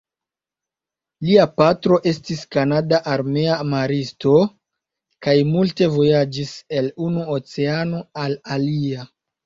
Lia patro estis kanada armea maristo kaj multe vojaĝis el unu oceano al alia.